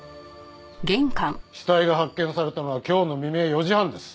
死体が発見されたのは今日の未明４時半です。